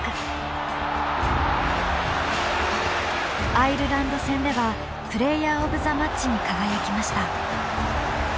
アイルランド戦ではプレイヤーオブザマッチに輝きました。